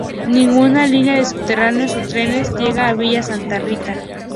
Ninguna línea de subterráneos o trenes llega a Villa Santa Rita.